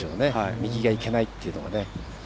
右がいけないっていうのがね。